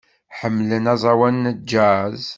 Ḥemmlen aẓawan n jazz.